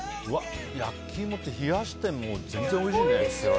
焼き芋って冷やしても全然おいしいね。